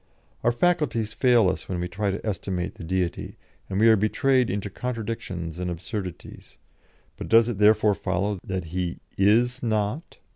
Our faculties fail us when we try to estimate the Deity, and we are betrayed into contradictions and absurdities; but does it therefore follow that He is not?